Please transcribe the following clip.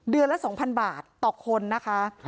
เดือนละ๒๐๐๐บาทต่อคนนะคะ